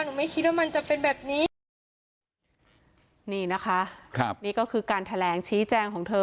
ไม่คิดว่ามันจะเป็นแบบนี้นี่นะคะครับนี่ก็คือการแถลงชี้แจงของเธอ